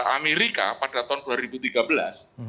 amerika pada tahun dua ribu tiga belas